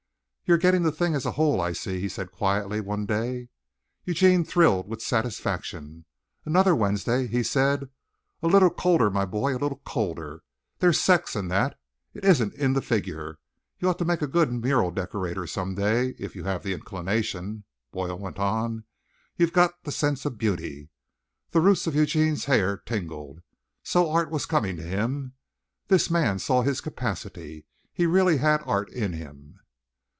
"You're getting the thing as a whole, I see," he said quietly, one day. Eugene thrilled with satisfaction. Another Wednesday he said: "A little colder, my boy, a little colder. There's sex in that. It isn't in the figure. You ought to make a good mural decorator some day, if you have the inclination," Boyle went on; "you've got the sense of beauty." The roots of Eugene's hair tingled. So art was coming to him. This man saw his capacity. He really had art in him.